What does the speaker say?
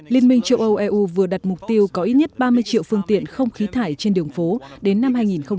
liên minh châu âu eu vừa đặt mục tiêu có ít nhất ba mươi triệu phương tiện không khí thải trên đường phố đến năm hai nghìn ba mươi